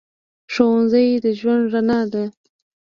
ښوونځی د ژوند رڼا ده